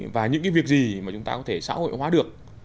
và những cái việc gì mà chúng ta có thể xã hội hóa được